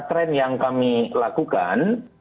tren yang kami lakukan